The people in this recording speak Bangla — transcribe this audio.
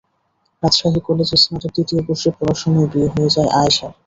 রাজশাহী কলেজে স্নাতক দ্বিতীয় বর্ষে পড়ার সময় বিয়ে হয়ে যায় আয়েশার।